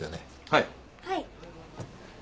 はい。